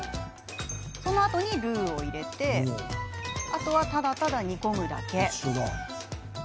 そのあとに、ルーを入れてあとは、ただただ煮込むだけ。